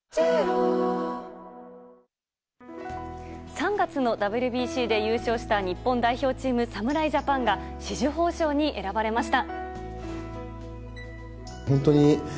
３月のＷＢＣで優勝した日本代表チーム侍ジャパンが紫綬褒章に選ばれました。